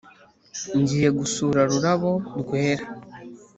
ngiye gusura rurabo rwera